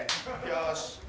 よし。